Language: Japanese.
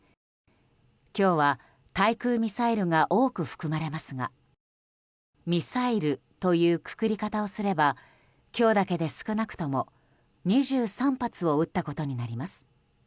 今日は対空ミサイルが多く含まれますがミサイルというくくり方をすれば今日だけで少なくとも２３発を撃ったことになります。